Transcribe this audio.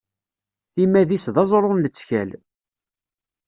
Timad-is d aẓṛu n lettkal.